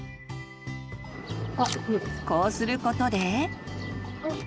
こうすることで。